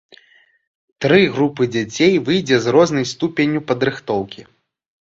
Тры групы дзяцей выйдзе з рознай ступенню падрыхтоўкі.